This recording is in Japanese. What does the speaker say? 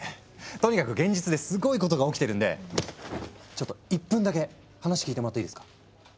とにかく現実ですごいことが起きてるんでちょっと１分だけ話聞いてもらっていいですか？